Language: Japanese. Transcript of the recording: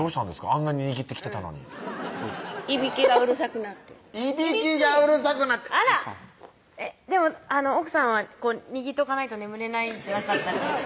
あんなに握ってきてたのにいびきがうるさくなっていびきがうるさくなってでも奥さんは握っとかないと眠れないんじゃなかったでしたっけ